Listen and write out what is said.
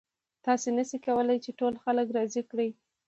تاسې نشئ کولی چې ټول خلک راضي کړئ.